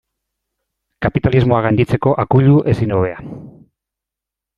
Kapitalismoa gainditzeko akuilu ezin hobea.